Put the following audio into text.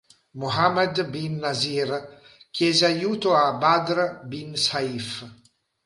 Mohammed bin Nasir chiese aiuto a Badr bin Sayf.